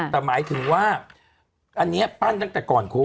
แต่หมายถึงว่าอันนี้ปั้นตั้งแต่ก่อนโควิด